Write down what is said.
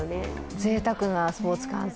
ぜいたくなスポーツ観戦。